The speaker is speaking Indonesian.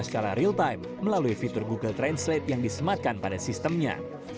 skala real time melalui fitur google translate yang disematkan pada sistemnya